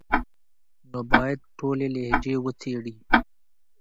نو بايد ټولي لهجې وڅېړي،